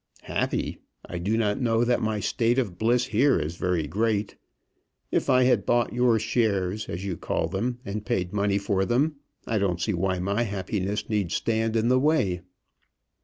"Happy! I do not know that my state of bliss here is very great. If I had bought your shares, as you call them, and paid money for them, I don't see why my happiness need stand in the way."